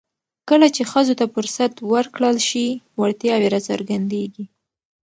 کله چې ښځو ته فرصت ورکړل شي، وړتیاوې راڅرګندېږي.